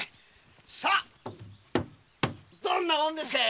さどんなもんですか！